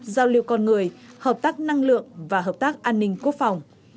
giao lưu con người hợp tác năng lượng và hợp tác an ninh quốc phòng